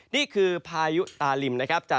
นี่คือพายุตาลิม